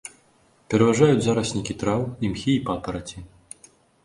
Пераважаюць зараснікі траў, імхі і папараці.